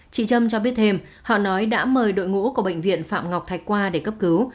chị trâm cho biết thêm họ nói đã mời đội ngũ của bệnh viện phạm ngọc thạch qua để cấp cứu